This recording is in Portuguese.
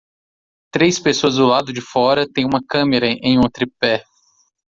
Três pessoas do lado de fora tem uma câmera em um tripé.